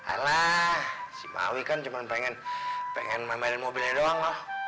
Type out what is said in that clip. alah si mawi kan cuma pengen pengen memilih mobilnya doang loh